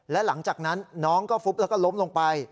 และหลังจากนั้นน้องก็ฟุบแล้วก็ล้มลงไป